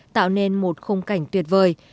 tạo nên một khung cảnh tuyệt vời